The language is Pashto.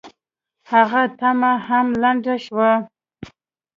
هغه تمه هم لنډه شوه.